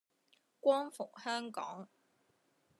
光復香港